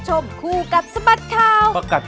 ส่งยังแบบยัง